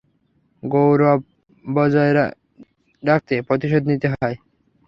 গৌরব বজায় রাখতে প্রতিশোধ নিতে হয়।